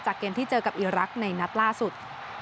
เกมที่เจอกับอีรักษ์ในนัดล่าสุด